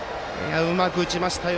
うまく打ちましたよ。